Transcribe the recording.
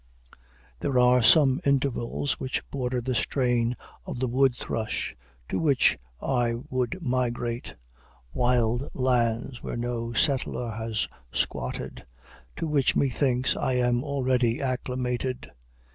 There are some intervals which border the strain of the wood thrush, to which I would migrate, wild lands where no settler has squatted; to which, methinks, I am already acclimated.